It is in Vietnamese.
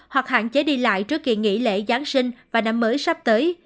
hoặc hạn chế đi lại trước kỳ nghỉ lễ giáng sinh và năm mới sắp tới